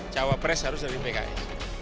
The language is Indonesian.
cawapres harus dari pks